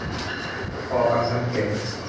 ก่อกรรมทำเข็ญ